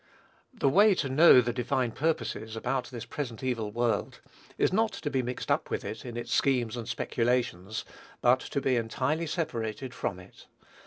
The way to know the divine purposes about this present evil world, is not to be mixed up with it in its schemes and speculations, but to be entirely separated from it.